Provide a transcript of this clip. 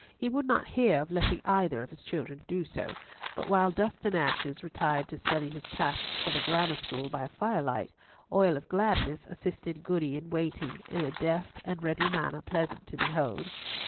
He would not hear of letting either of his children do so; but while Dust and Ashes retired to study his tasks for the Grammar School by firelight, Oil of Gladness assisted Goody in waiting, in a deft and ready manner pleasant to behold.